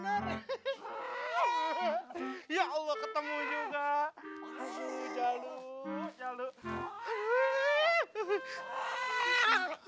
jaluh jaluh jaluh